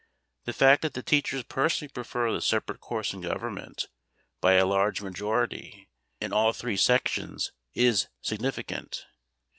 The fact that the teachers personally prefer the separate course in Government by a large majority in all three sections is significant.